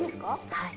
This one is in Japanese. はい。